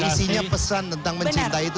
isinya pesan tentang mencintai itu